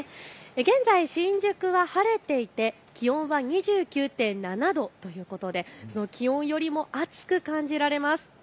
現在、新宿は晴れていて気温は２９．７度ということで気温よりも暑く感じられます。